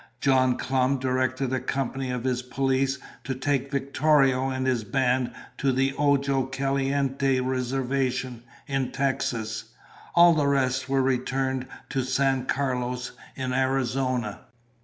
John Clum directed a company of his police to take Victorio and his band to the Ojo Caliente reservation in Texas. All the rest were returned to San Carlos in Arizona.